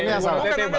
ini yang salah